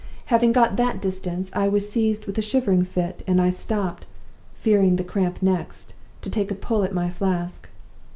Having got that distance, I was seized with a shivering fit, and I stopped (fearing the cramp next) to take a pull at my flask.